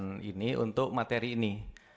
nah ini untuk materi ini